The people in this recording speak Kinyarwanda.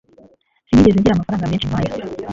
sinigeze ngira amafaranga menshi nkaya